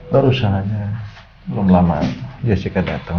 baru sahannya belum lama jessica datang